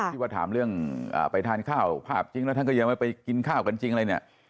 ที่ว่าถามเรื่องไปทานข้าวภาพจริงแล้วท่านก็ยังไม่ไปกินข้าวกันจริงอะไรเนี่ย